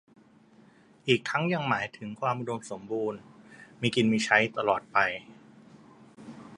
อีกทั้งยังหมายถึงความอุดมสมบูรณ์ มีกินมีใช้ตลอดไป